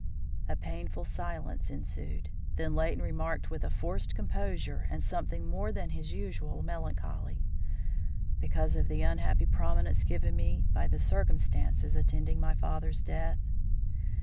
A painful silence ensued. Then Leighton remarked, with a forced composure and something more than his usual melancholy: "Because of the unhappy prominence given me by the circumstances attending my father's death?"